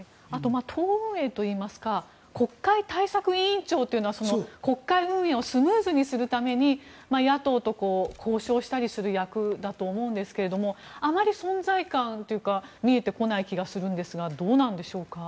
党運営といいますか国会対策委員長というのは国会運営をスムーズにするために野党と交渉したりする役だと思うんですがあまり存在感というか見えてこない気がするんですがどうなんでしょうか。